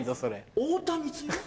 「太田光代